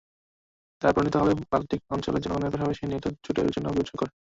তার পরিণতি হবে বাল্টিক অঞ্চলের জনগণের পাশাপাশি ন্যাটো জোটের জন্য বিপর্যয়কর।